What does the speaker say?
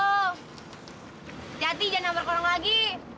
hati hati jangan berkorong lagi